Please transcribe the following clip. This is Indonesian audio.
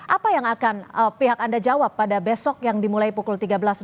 apa yang akan pihak anda jawab pada besok yang dimulai pukul tiga belas